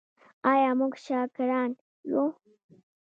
آیا موږ شاکران یو؟